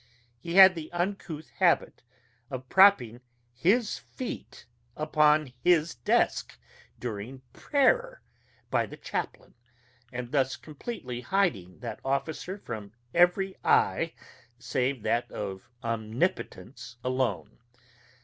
He had the uncouth habit of propping his feet upon his desk during prayer by the chaplain, and thus completely hiding that officer from every eye save that of Omnipotence alone.